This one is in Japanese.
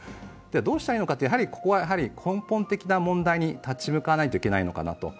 どうしたらいいのかというと、ここは根本的な問題に立ち向かわなきゃいけないのかなと。